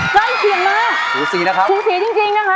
ใกล้เคียงมากสูสีนะครับสูสีจริงจริงนะคะ